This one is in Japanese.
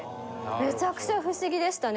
めちゃくちゃ不思議でしたね。